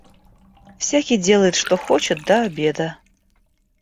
Всякий делает что хочет до обеда.